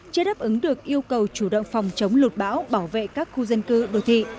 chưa đáp ứng được yêu cầu chủ động phòng chống lụt bão bảo vệ các khu dân cư đồ thị